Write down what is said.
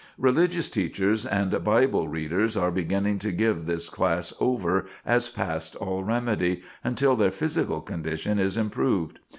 Religious teachers and Bible readers are beginning to give this class over as past all remedy, until their physical condition is improved.